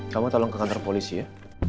kamu tolong ke kantor polisi ya